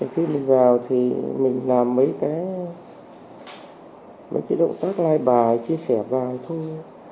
khi mình vào thì mình làm mấy cái động tác lai bài chia sẻ bài thôi